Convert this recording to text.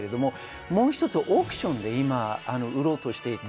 もう１つ、オークションで今売ろうとしています。